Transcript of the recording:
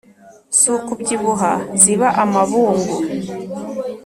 si ukubyibuha ziba amabungu.